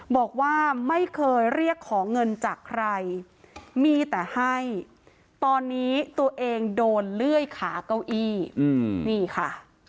บอกว่าไม่เคยเรียกขอเงินจากใครมีแต่ให้ตอนนี้ตัวเองโดนเลื่อยขาเก้าอี้นี่ค่ะ